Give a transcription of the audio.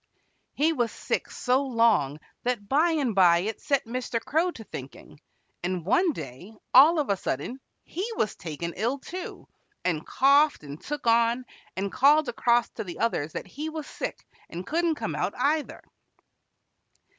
He was sick so long that by and by it set Mr. Crow to thinking, and one day, all of a sudden, he was taken ill, too, and coughed and took on, and called across to the others that he was sick and couldn't come out, either.